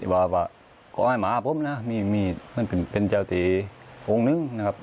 ว่าขอให้มาผมนะมีเพื่อนเจ้าที่โรงหนึ่งนะครับ